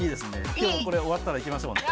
今日これ終わったら行きましょうね。